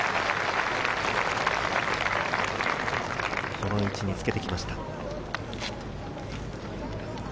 この位置につけてきました。